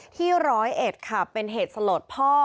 ที่๑๐๑ค่ะเป็นเหตุสลดพ่อ